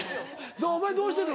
お前どうしてんの？